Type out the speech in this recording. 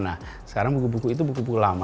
nah sekarang buku buku itu buku buku lama